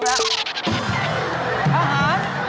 เอาดี